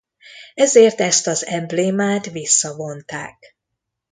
Ezért ezt az emblémát visszavonták.